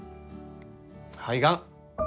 肺がん。